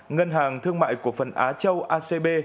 ngân hàng thương mại cổ phần á châu acb